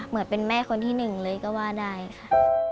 เหมือนเป็นแม่คนที่หนึ่งเลยก็ว่าได้ค่ะ